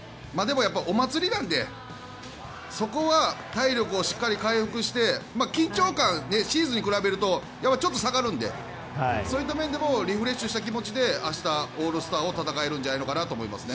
お祭りなのでそこは体力をしっかり回復して緊張感、シーズンに比べるとちょっと下がるのでそういった面でもリフレッシュした気持ちでオールスターを戦えるんじゃないかと思いますね。